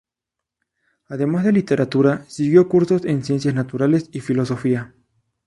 Además de literatura, siguió cursos en ciencias naturales y filosofía.